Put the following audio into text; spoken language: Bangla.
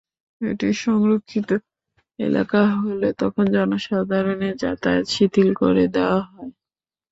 এটি সংরক্ষিত এলাকা হলেও তখন জনসাধারণের যাতায়াতও শিথিল করে দেওয়া হয়।